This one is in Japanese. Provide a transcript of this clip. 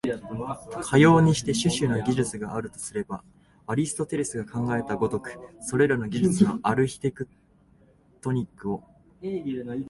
かようにして種々の技術があるとすれば、アリストテレスが考えた如く、それらの技術のアルヒテクトニックを、